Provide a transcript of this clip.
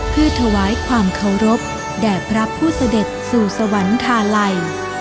เพื่อถวายความเคารพแด่พระผู้เสด็จสู่สวรรคาลัย